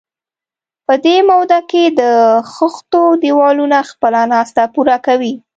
په دې موده کې د خښتو دېوالونه خپله ناسته پوره کوي.